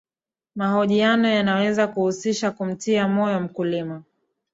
mahojiano yanaweza kuhusisha kumtia moyo mkulima